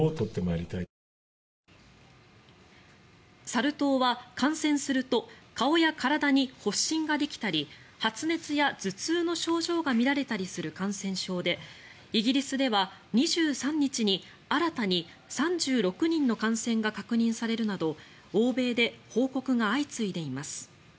サル痘は感染すると顔や体に発疹ができたり発熱や頭痛の症状が見られたりする感染症でイギリスでは２３日に新たに３６人の感染が確認されるなど欧米で報告が相次いでいます。